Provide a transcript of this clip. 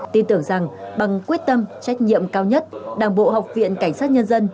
tin tưởng rằng bằng quyết tâm trách nhiệm cao nhất đảng bộ học viện cảnh sát nhân dân